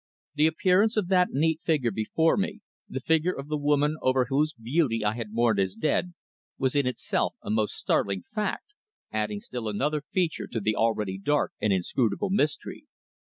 The appearance of that neat figure before me, the figure of the woman over whose beauty I had mourned as dead, was in itself a most startling fact, adding still another feature to the already dark and inscrutable mystery.